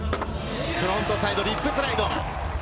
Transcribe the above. フロントサイドリップスライド。